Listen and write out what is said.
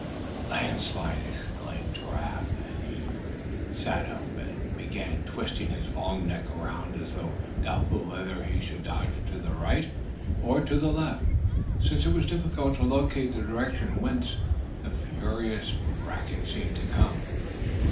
"A land slide!" exclaimed Giraffe, as he sat up, and began twisting his long neck around, as though doubtful whether he should dodge to the right or to the left, since it was difficult to locate the direction from whence the furious racket seemed to come.